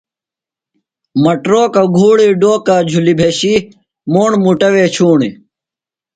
مٹروکہ گُھوڑی ڈوکہ جُھلیۡ بھیشیۡ موݨ مُٹہ وےۡ چھوݨی